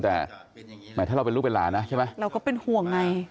แต่ถ้าเราเป็นลูกเป็นหลานนะเราก็เป็นห่วงไง